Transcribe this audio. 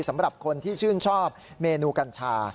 สำหรับคนที่ชื่นชอบเมนูกัญชา